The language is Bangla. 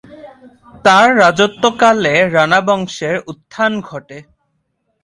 তাঁর রাজত্বকালে রানা বংশের উত্থান ঘটে।